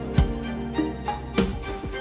ki jangan gue ki